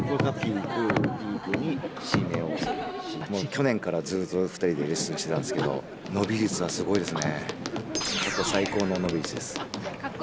去年からずっと２人でレッスンしてたんですけど伸び率がすごいですね。